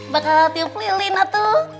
bakal tiup lilin atuh